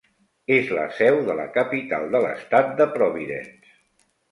És la seu de la capital de l'estat de Providence.